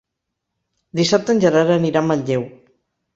Dissabte en Gerard anirà a Manlleu.